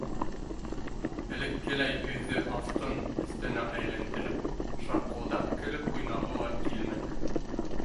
Элеккеләй өйҙө аҫтын-өҫтөнә әйләндереп, шарҡылдап көлөп уйнағы ла килмәне.